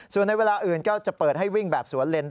ส่วนในเวลาอื่นก็จะเปิดให้วิ่งแบบสวนเลน